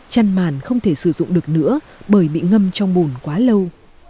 chăn màn không thể sử dụng được nữa bởi bị ngâm trong bùn quá lâu